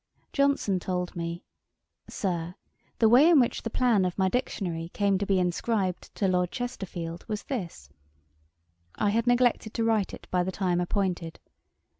Johnson told me, 'Sir, the way in which the Plan of my Dictionary came to be inscribed to Lord Chesterfield, was this: I had neglected to write it by the time appointed.